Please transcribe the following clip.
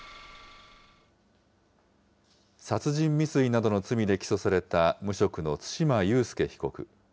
殺人未遂などの罪で起訴された無職の對馬悠介被告。